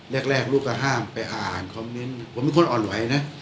แรกลูกก็ห้ามไปอ่านคอมเมนต์ผมเป็นคนอ่อนไหวนะ